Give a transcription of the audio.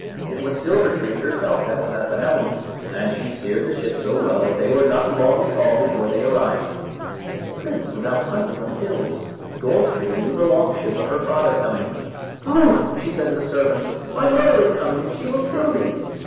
It was Silver tree herself that was at the helm, and she steered the ship so well that they were not long at all before they arrived. The prince was out hunting on the hills. Gold tree knew the long ship of her father coming. "Oh!" said she to the servants, "my mother is coming, and she will kill me."